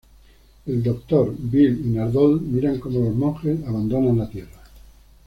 El Doctor, Bill y Nardole miran como los Monjes abandonan la Tierra.